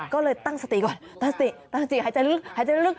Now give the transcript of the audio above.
ก็เลยตั้งสติก่อนตาสิตาจิหายใจลึกหายใจลึก